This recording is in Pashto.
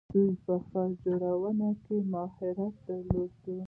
دوی په ښار جوړونه کې مهارت درلود.